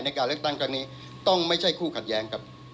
ในการเลือกตั้งครั้งนี้ต้องไม่ใช่คู่ขัดแย้งครับ